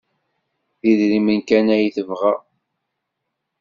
D idrimen kan ay tebɣa.